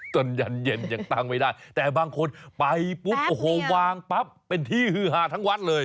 ยันเย็นยังตั้งไม่ได้แต่บางคนไปปุ๊บโอ้โหวางปั๊บเป็นที่ฮือหาทั้งวัดเลย